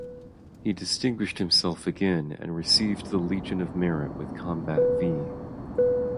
He distinguished himself again and received the Legion of Merit with Combat "V".